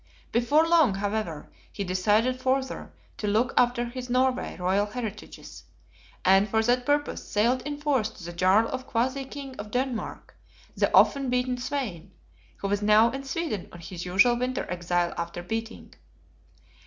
Before long, however, he decided farther to look after his Norway Royal heritages; and, for that purpose, sailed in force to the Jarl or quasi King of Denmark, the often beaten Svein, who was now in Sweden on his usual winter exile after beating.